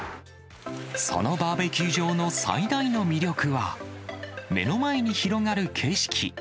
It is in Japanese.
そのバーベキュー場の最大の魅力は、目の前に広がる景色。